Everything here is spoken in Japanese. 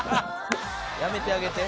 やめてあげて。